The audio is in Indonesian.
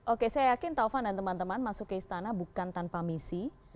oke saya yakin taufan dan teman teman masuk ke istana bukan tanpa misi